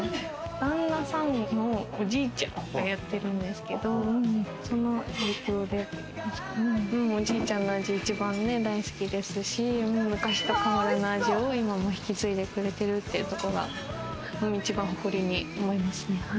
旦那さんのおじいちゃんが、やってるんですけど、その影響でおじいちゃんの味、一番大好きですし昔と変わらない味を今も引き継いでくれてるというところが一番誇りに思いますね。